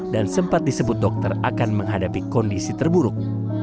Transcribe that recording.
dan sempat disebut dokter akan menghadapi kondisi terburuk